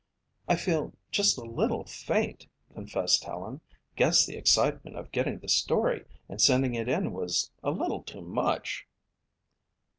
"I feel just a little faint," confessed Helen. "Guess the excitement of getting the story and sending it in was a little too much."